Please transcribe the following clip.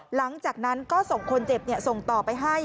หลังจากนั้นก็ส่งคนเจ็บส่งต่อไปให้